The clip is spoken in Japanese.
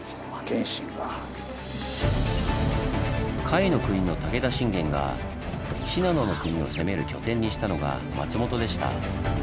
甲斐国の武田信玄が信濃国を攻める拠点にしたのが松本でした。